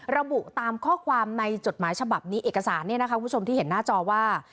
ระบุตามข้อความในจดหมายฉบับนี้เอกสารเนี่ยนะคะคุณผู้ชมที่เห็นหน้าจอว่า